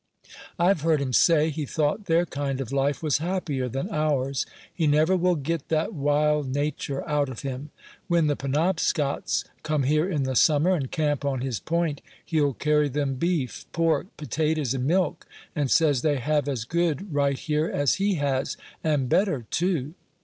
I've heard him say, he thought their kind of life was happier than ours; he never will get that wild nature out of him. When the Penobscots come here in the summer, and camp on his point, he'll carry them beef, pork, potatoes, and milk, and says they have as good right here as he has, and better, too.